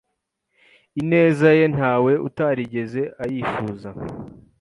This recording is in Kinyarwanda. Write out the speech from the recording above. ineza ye ntawe utarigeze ayifuza,